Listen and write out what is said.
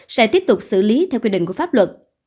sẽ tiếp tục xử lý theo quy định của pháp luật